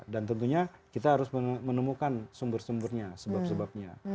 dan tentunya kita harus menemukan sumber sumbernya sebab sebabnya